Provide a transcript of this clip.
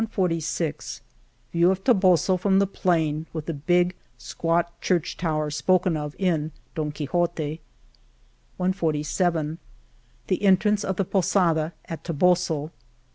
144 View of Toboso from the plain, with the big, squat church tower spoken ofin^* Don Quixote, ^^.. 146 The entrance of the posada at Toboso